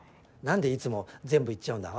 なんでいつも全部言っちゃうんだ。